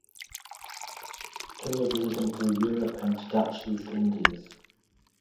Tours led him through Europe and to Dutch East Indies.